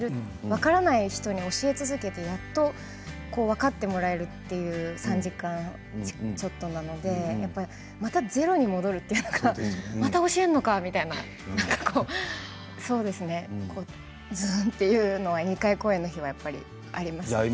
分からない人に教え続けてやっと分かってもらえるという３時間ちょっとなのでまたゼロに戻るというかまた教えるのかっていううん、というのが２回公演の日はありますね。